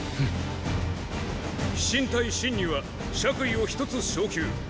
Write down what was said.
飛信隊信には爵位を一つ昇級！